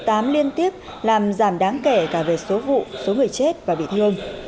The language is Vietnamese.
từ năm hai nghìn một mươi tám liên tiếp làm giảm đáng kể cả về số vụ số người chết và bị thương